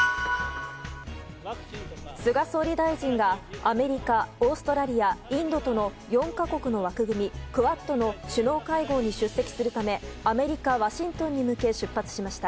菅総理大臣がアメリカオーストラリア、インドとの４か国の枠組み、クワッドの首脳会合に出席するためアメリカ・ワシントンに向け出発しました。